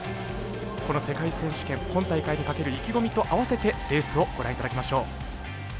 この世界選手権、今大会にかける意気込みとあわせてレースをご覧いただきましょう。